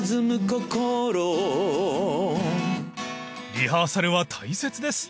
［リハーサルは大切です］